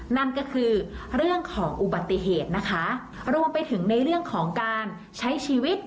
นั่นก็คือเรื่องของอุบัติเหตุนะคะรวมไปถึงในเรื่องของการใช้ชีวิต